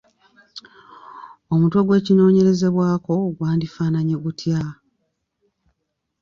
Omutwe gw’ekinoonyerezebwako gwandifaananye gutya?